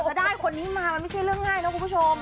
พอได้คนนี้มามันไม่ใช่เรื่องง่ายนะคุณผู้ชม